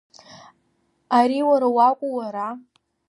Ари уара уакәу, уара?